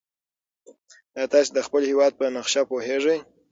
ایا تاسي د خپل هېواد په نقشه پوهېږئ؟